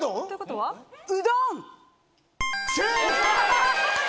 正解！